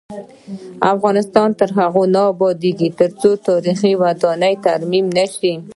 افغانستان تر هغو نه ابادیږي، ترڅو تاریخي ودانۍ ترمیم نشي.